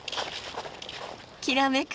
きらめく